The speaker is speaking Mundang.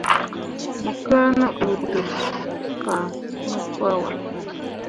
Mo kaa ne ɓu deb kah mo fah wat.